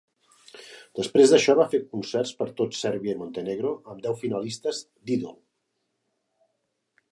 Després d'això, va fer concerts per tot Sèrbia i Montenegro amb deu finalistes d'"Idol".